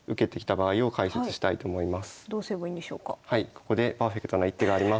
ここでパーフェクトな一手があります。